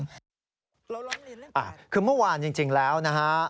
แล้วคือเมื่อวานจริงแล้วนะฮะ